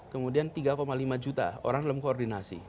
kemudian tiga lima juta orang dalam koordinasi